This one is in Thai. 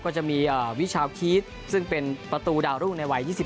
ก็จะมีวิชาวคีสซึ่งเป็นประตูดาวรุ่งในวัย๒๔